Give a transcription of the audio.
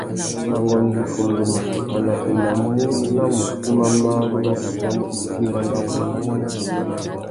Angüêndô iffundu, mutu a naffénamú nà mukú mà marru má séssamú itsi râ ngawôrénô.